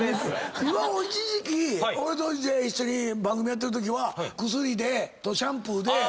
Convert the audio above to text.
岩尾一時期俺と一緒に番組やってるときは薬とシャンプーで。